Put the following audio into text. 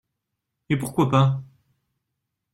Et pourquoi pas?